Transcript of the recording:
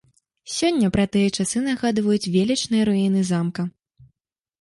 Сёння пра тыя часы нагадваюць велічныя руіны замка.